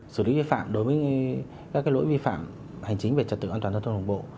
xử lý vi phạm đối với các lỗi vi phạm hành chính về trật tự an toàn giao thông đồng bộ